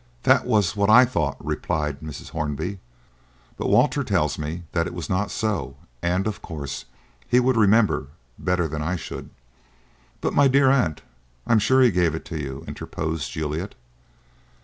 "That was what I thought," replied Mrs. Hornby, "but Walter tells me that it was not so, and, of course, he would remember better than I should." "But, my dear aunt, I am sure he gave it to you," interposed Juliet.